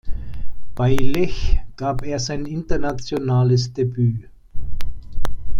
Bei Lech gab er sein internationales Debüt.